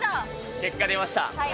結果出ました。